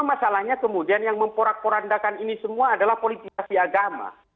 masalahnya kemudian yang memporak porandakan ini semua adalah politisasi agama